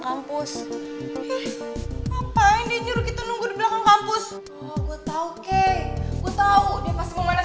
kampus ngapain di nyerugi tunggu di belakang kampus gue tahu kek gue tahu dia pasti memanas